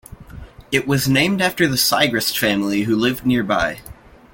It was named after the Siegrist family who lived nearby.